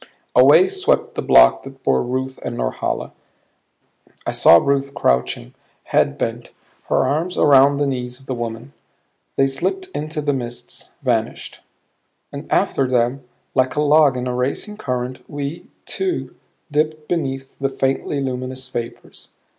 Away swept the block that bore Ruth and Norhala; I saw Ruth crouching, head bent, her arms around the knees of the woman. They slipped into the mists; vanished. And after them, like a log in a racing current, we, too, dipped beneath the faintly luminous vapors.